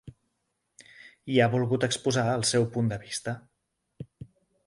I ha volgut exposar el seu punt de vista.